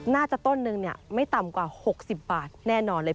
ต้นนึงไม่ต่ำกว่า๖๐บาทแน่นอนเลย